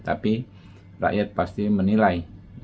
tapi rakyat pasti menilai